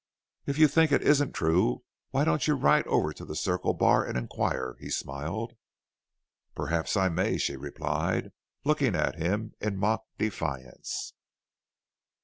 "If you think it isn't true, why don't you ride over to the Circle Bar and inquire?" he smiled. "Perhaps I may," she replied, looking at him in mock defiance.